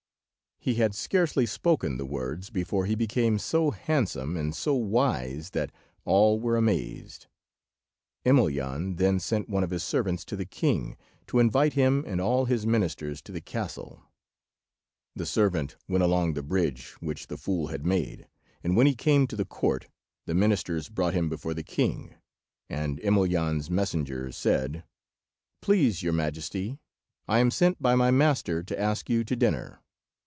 He had scarcely spoken the words before he became so handsome and so wise that all were amazed. Emelyan then sent one of his servants to the king to invite him and all his ministers to the castle. The servant went along the bridge which the fool had made, and when he came to the court the ministers brought him before the king, and Emelyan's messenger said— "Please your majesty, I am sent by my master to ask you to dinner."